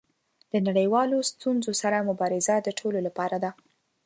له نړیوالو ستونزو سره مبارزه د ټولو لپاره ده.